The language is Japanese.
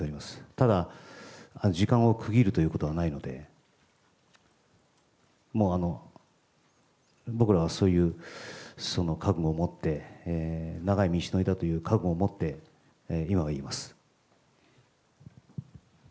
ただ、時間を区切るということはないので、もう僕らはそういう覚悟を持って、長い道のりだという覚悟を持って今はいます。